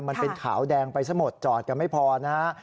มันเป็นขาวแดงไปซะหมดจอดกันไม่พอนะฮะ